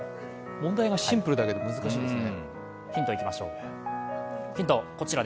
問題がシンプルだけど難しいですね。